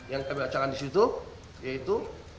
yang kami bacakan di situ yaitu